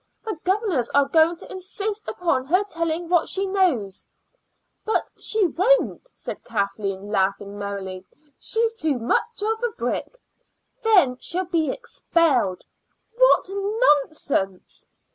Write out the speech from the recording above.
"The governors are going to insist upon her telling what she knows." "But she won't," said Kathleen, laughing merrily. "She is too much of a brick." "Then she'll be expelled." "What nonsense!"